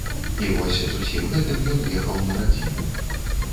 І вось з усім гэтым ён ехаў на радзіму.